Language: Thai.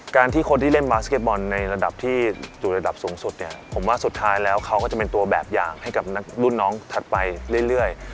การที่คนที่เล่นบาสเก็ตบอลในระดับที่อยู่ระดับสูงสุดเนี่ยผมว่าสุดท้ายแล้วเขาก็จะเป็นตัวแบบอย่างให้กับนักรุ่นน้องถัดไปเรื่อย